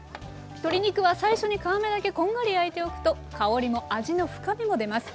鶏肉は最初に皮目だけこんがり焼いておくと香りも味の深みも出ます。